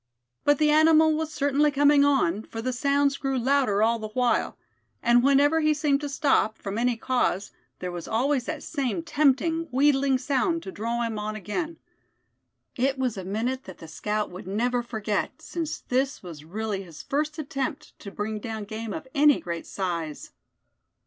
But the animal was certainly coming on, for the sounds grew louder all the while. And whenever he seemed to stop, from any cause, there was always that same tempting, wheedling sound to draw him on again. It was a minute that the scout would never forget, since this was really his first attempt to bring down game of any great size.